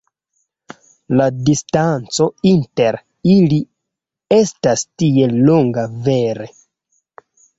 La distanco inter ili estas tiel longa, vere.